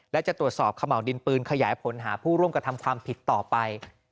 และจะตรวจสอบขม่าวดินปืนขยายผลหาผู้ร่วมกระทำความผิดต่อไป